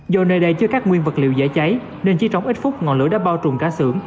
do nơi đây chứa các nguyên vật liệu dễ cháy nên chỉ trong ít phút ngọn lửa đã bao trùm cả xưởng